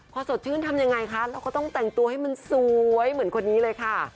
พอสดชื่นทำยังไงคะเราก็ต้องแต่งตัวให้มันสวยเหมือนคนนี้เลยค่ะ